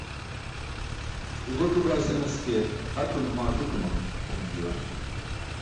Je guc̣o baa senas ke, ac̣o. Numa aṣuc̣uma senum juwan.